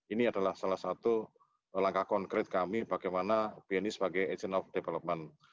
ini adalah salah satu langkah konkret kami bagaimana bni sebagai agent of development